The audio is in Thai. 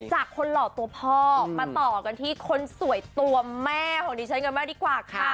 จากคนหล่อตัวพ่อมาต่อกันที่คนสวยตัวแม่ของดิฉันกันมากดีกว่าค่ะ